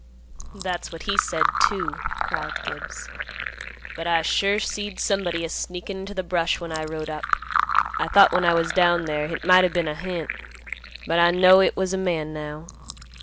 "That's what he said, too," growled Gibbs; "but I sure seed somebody a sneakin' into th' brush when I rode up. I thought when I was down there hit might o' been a hant; but I know hit was a man, now.